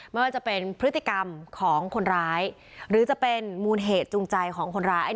ไม่ว่าจะเป็นพฤติกรรมของคนร้ายหรือจะเป็นมูลเหตุจูงใจของคนร้าย